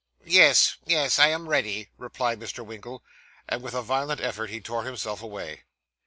'Yes, yes, I am ready,' replied Mr. Winkle. And with a violent effort he tore himself away.